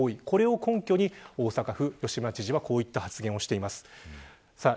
これを根拠に大阪府の吉村知事はこういう発言をしています。